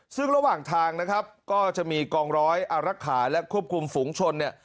ซึ่งระหว่างทางนะครับก็จะมีกองร้อยอารักษาและควบคุมฝูงชนเนี่ย